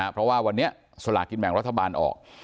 เพราะว่าวันนี้สลากินแบ่งรัฐบาลออก